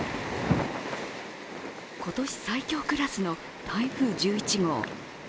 今年最強クラスの台風１１号。